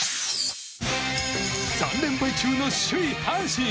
３連敗中の首位、阪神。